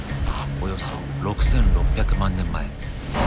およそ６，６００万年前。